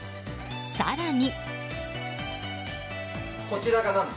更に。